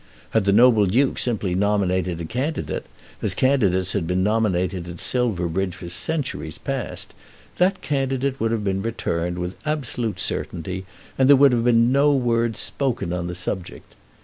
Had the noble Duke simply nominated a candidate, as candidates had been nominated at Silverbridge for centuries past, that candidate would have been returned with absolute certainty, and there would have been no word spoken on the subject.